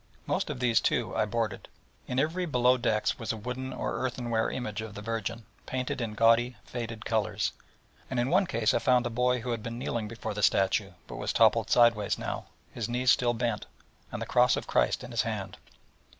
Most of these, too, I boarded. In every below decks was a wooden or earthenware image of the Virgin, painted in gaudy faded colours; and in one case I found a boy who had been kneeling before the statue, but was toppled sideways now, his knees still bent, and the cross of Christ in his hand.